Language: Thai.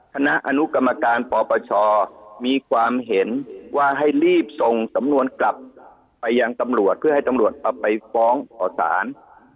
คณะอนุกรรมการปปชมีความเห็นว่าให้รีบส่งสำนวนกลับไปยังตำรวจเพื่อให้ตำรวจเอาไปฟ้องต่อสาร